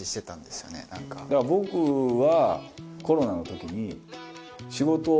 僕は。